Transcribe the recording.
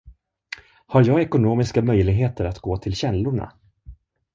Har jag ekonomiska möjligheter att gå till källorna?